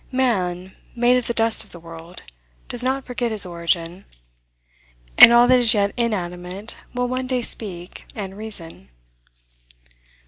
Man, made of the dust of the world, does not forget his origin; and all that is yet inanimate will one day speak and reason.